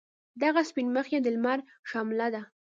دغه سپین مخ یې د لمر شعله ده.